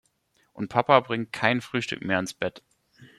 Und Papa bringt kein Frühstück mehr ans Bett.